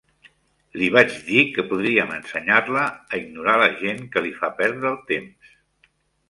Li vaig dir que podríem ensenyar-la a ignorar la gent que li fa perdre el temps.